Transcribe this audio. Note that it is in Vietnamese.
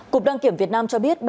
cục đăng kiểm việt nam cho biết